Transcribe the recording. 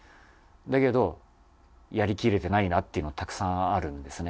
だけどやりきれてないなっていうのはたくさんあるんですね。